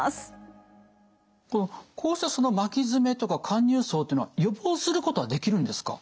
こうした巻き爪とか陥入爪っていうのは予防することはできるんですか？